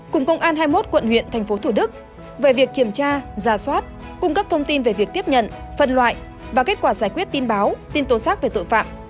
cùng công an hai mươi một quận huyện thành phố thủ đức về việc kiểm tra giả soát cung cấp thông tin về việc tiếp nhận phân loại và kết quả giải quyết tin báo tin tố xác về tội phạm